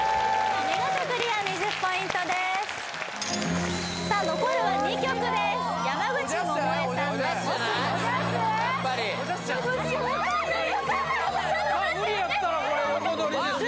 お見事クリア２０ポイントですさあ残るは２曲です山口百恵さんで「秋桜」無理やったらこれ横取りですよ